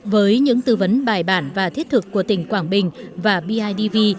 với những tư vấn bài bản và thiết thực của tỉnh quảng bình và bidv